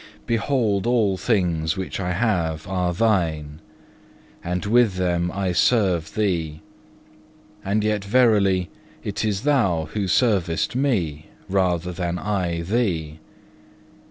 3. Behold all things which I have are Thine, and with them I serve Thee. And yet verily it is Thou who servest me, rather than I Thee.